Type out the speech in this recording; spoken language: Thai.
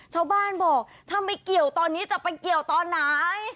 ชาวบ้านบอกถ้าไม่เกี่ยวตอนนี้จะไปเกี่ยวตอนไหน